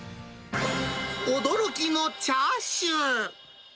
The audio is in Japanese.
驚きのチャーシュー。